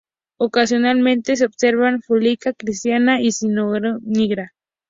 Ocasionalmente se observan "Fulica cristata" y "Ciconia nigra".